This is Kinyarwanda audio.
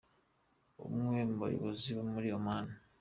Umwe mu bayobozi bo muri Oman,.